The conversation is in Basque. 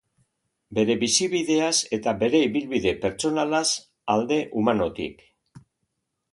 Bere bizibideaz eta bere ibilbide pertsonalaz, alde humanotik.